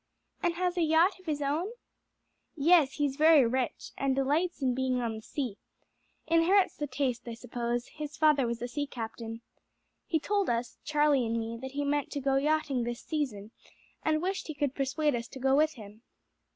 "And has a yacht of his own?" "Yes; he's very rich, and delights in being on the sea. Inherits the taste, I suppose; his father was a sea captain. He told us Charlie and me that he meant to go yachting this season, and wished he could persuade us to go with him."